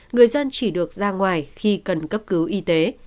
người dân chỉ được ra ngoài khi cần cấp cứu y tế